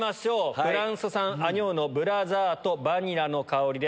フランス産アニョーのブラザート、バニラの香りです。